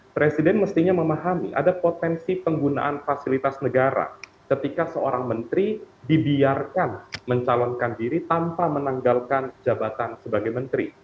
presiden mestinya memahami ada potensi penggunaan fasilitas negara ketika seorang menteri dibiarkan mencalonkan diri tanpa menanggalkan jabatan sebagai menteri